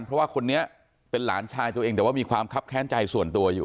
เพราะว่าคนนี้เป็นหลานชายตัวเองแต่ว่ามีความคับแค้นใจส่วนตัวอยู่